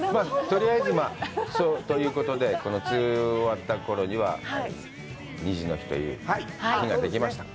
とりあえずはそうということで、この梅雨終わったころには“虹の日”という日ができました。